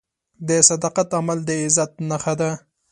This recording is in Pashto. د صداقت عمل د عزت نښه ده.